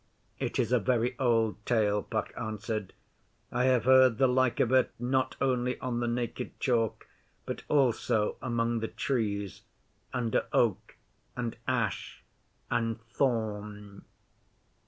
'It is a very old tale,' Puck answered. 'I have heard the like of it not only on the Naked Chalk, but also among the Trees under Oak, and Ash, and Thorn.